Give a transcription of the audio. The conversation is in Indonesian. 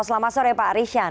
selamat sore pak rishan